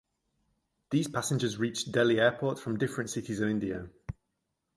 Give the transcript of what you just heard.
These passengers reached Delhi airport from different cities of India.